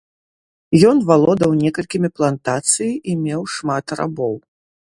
Ён валодаў некалькімі плантацыі і меў шмат рабоў.